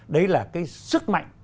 đấy là cái sức mạnh